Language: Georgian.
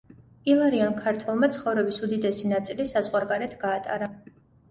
ილარიონ ქართველმა ცხოვრების უდიდესი ნაწილი საზღვარგარეთ გაატარა.